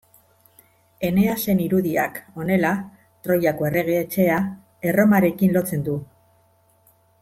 Eneasen irudiak, honela, Troiako errege etxea, Erromarekin lotzen du.